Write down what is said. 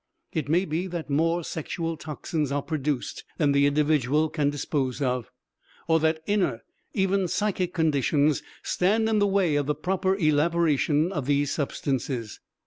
It may be that more sexual toxins are produced than the individual can dispose of, or that inner, even psychic conditions, stand in the way of the proper elaboration of these substances.